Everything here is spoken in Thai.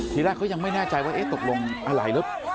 ทีแรกเขายังไม่แน่ใจว่าเอ๊ะตกลงอะไรแล้ว